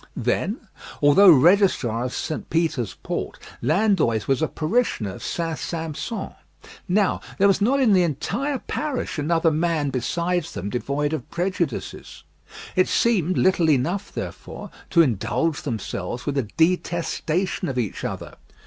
Then, although registrar of St. Peter's Port, Landoys was a parishioner of St. Sampson. Now, there was not in the entire parish another man besides them devoid of prejudices. It seemed little enough, therefore, to indulge themselves with a detestation of each other.